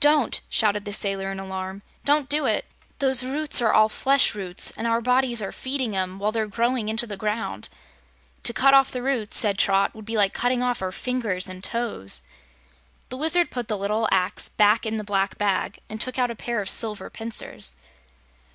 "Don't!" shouted the sailor in alarm. "Don't do it! Those roots are all flesh roots, and our bodies are feeding 'em while they're growing into the ground." "To cut off the roots," said Trot, "would be like cutting off our fingers and toes." The Wizard put the little axe back in the black bag and took out a pair of silver pincers.